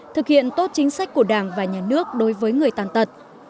thực hiện tốt chính sách của đảng và nhà nước đối với người tàn tật